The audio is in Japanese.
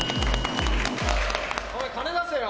おい、金出せよ。